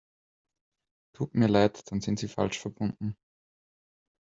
Tut mir leid, dann sind Sie falsch verbunden.